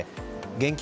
現金